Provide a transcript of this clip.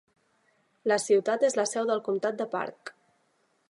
La ciutat és la seu del comtat de Parke.